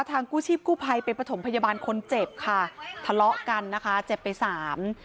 กู้ชีพกู้ภัยไปประถมพยาบาลคนเจ็บค่ะทะเลาะกันนะคะเจ็บไปสาม